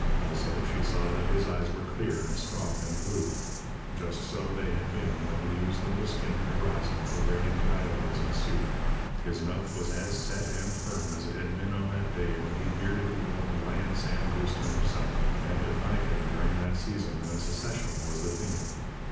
Also, she saw that his eyes were clear and strong and blue. Just so they had been when he used them to skim the horizon for raiding Kiowas and Sioux. His mouth was as set and firm as it had been on that day when he bearded the old Lion Sam Houston himself, and defied him during that season when secession was the theme.